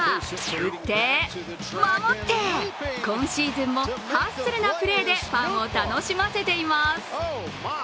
打って、守って、今シーズンもハッスルなプレーでファンを楽しませています。